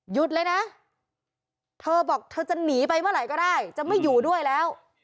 เลยนะเธอบอกเธอจะหนีไปเมื่อไหร่ก็ได้จะไม่อยู่ด้วยแล้ว